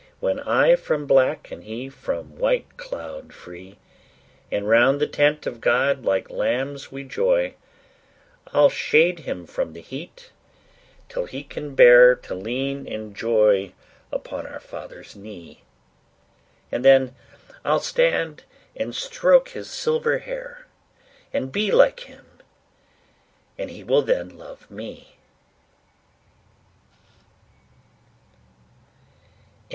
When I from black, and he from white cloud free, And round the tent of God like lambs we joy, I'll shade him from the heat till he can bear To lean in joy upon our Father's knee; And then I'll stand and stroke his silver hair, And be like him, and he will then love me.